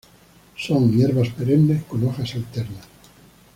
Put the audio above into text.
Son hierbas perennes con hojas alternas.